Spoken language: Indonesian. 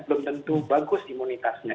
belum tentu bagus imunitasnya